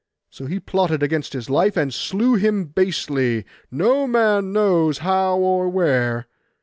So he plotted against his life, and slew him basely, no man knows how or where.